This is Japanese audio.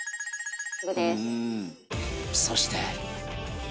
そして